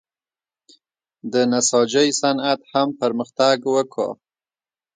د نساجۍ صنعت هم پرمختګ وکړ.